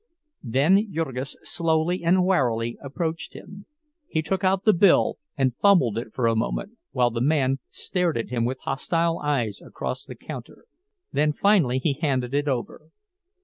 Then Jurgis slowly and warily approached him; he took out the bill, and fumbled it for a moment, while the man stared at him with hostile eyes across the counter. Then finally he handed it over.